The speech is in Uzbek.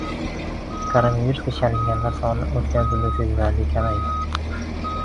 Koronavirusga chalinganlar soni o‘tgan tunda sezilarli kamaydi